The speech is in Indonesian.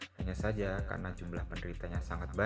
hanya saja karena jumlah penderitanya sangat banyak